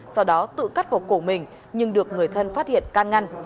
sau đó tự cắt vào cổ mình nhưng được người thân phát hiện can ngăn